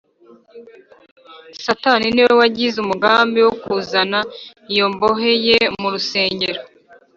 satani ni we wagize umugambi wo kuzana iyo mbohe ye mu rusengero